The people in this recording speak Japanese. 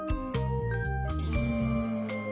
うん。